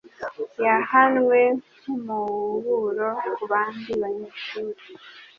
Yahanwe nkumuburo kubandi banyeshuri.